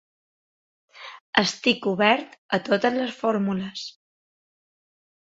Estic obert a totes les fórmules.